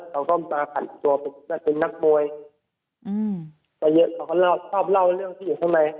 เขากล้อมตาขัดตัวเป็นนักมวยแต่เขาชอบเล่าเรื่องที่อยู่ข้างใน